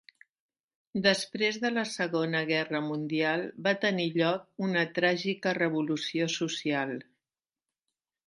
Després de la segona guerra mundial va tenir lloc una tràgica revolució social.